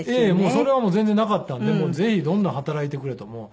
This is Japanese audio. それはもう全然なかったんでぜひどんどん働いてくれと。